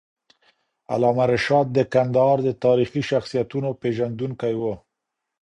علامه رشاد د کندهار د تاریخي شخصیتونو پېژندونکی وو.